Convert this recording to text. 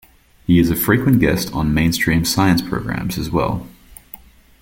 He is a frequent guest on mainstream science programs as well.